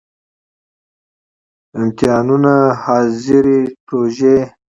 امتحانونه، ،حاضری، پروژی